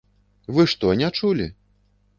Вы што, не чулі?